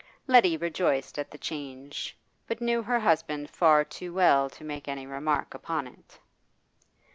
Letty rejoiced at the change, but knew her husband far too well to make any remark upon it.